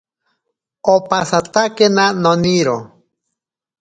Opasatakena noniro.